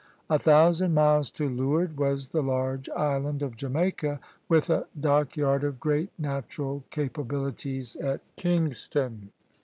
A thousand miles to leeward was the large island of Jamaica, with a dock yard of great natural capabilities at Kingston.